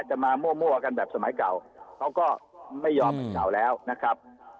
จะมามั่วกันแบบสมัยเก่าเขาก็ไม่ยอมหรอกนะครับ